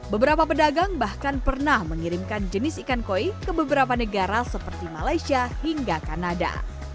beberapa pedagang bahkan pernah mengirimkan jenis ikan koi ke beberapa negara seperti malaysia hingga kanada